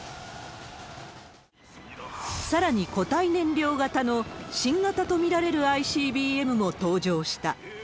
さらに固体燃料型の新型と見られるＩＣＢＭも登場した。